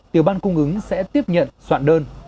tiểu ban cung ứng sẽ tiếp nhận soạn đơn